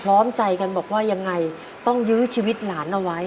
พร้อมใจกันบอกว่ายังไงต้องยื้อชีวิตหลานเอาไว้